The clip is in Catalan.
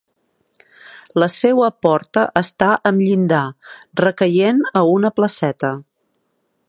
La seua porta està amb llindar, recaient a una placeta.